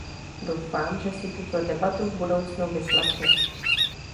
Doufám, že si tuto debatu v budoucnu vyslechne.